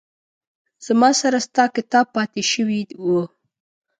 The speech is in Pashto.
زما سره ستا کتاب پاتې شوي وه